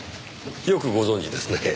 よくご存じですねぇ。